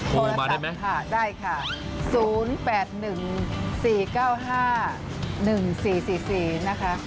โทรศัพท์ค่ะได้ค่ะ๐๘๑๔๙๕๑๔๔๔นะคะ